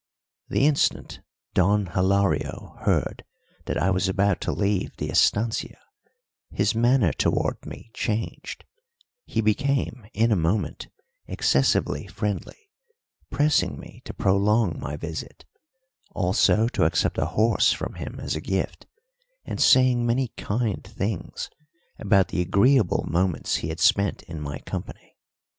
The instant Don Hilario heard that I was about to leave the estancia his manner toward me changed; he became, in a moment, excessively friendly, pressing me to prolong my visit, also to accept a horse from him as a gift, and saying many kind things about the agreeable moments he had spent in my company.